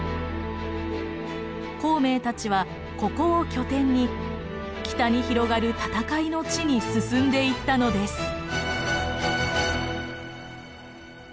孔明たちはここを拠点に北に広がる戦いの地に進んでいったのです。